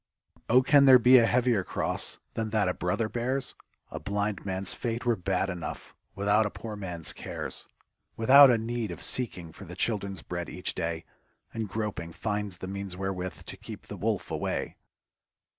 Oh, can there be a heavier cross Than that a brother bears? A blind man's fate were bad enough Without a poor man's cares ; \V ithout a need of seeking for The children's bread each day, And groping, finds the means wherewith To keep the wolf away.